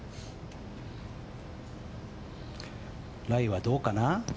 ライはどうかな。